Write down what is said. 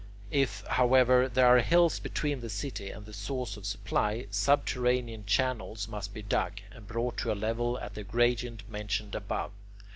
If, however, there are hills between the city and the source of supply, subterranean channels must be dug, and brought to a level at the gradient mentioned above.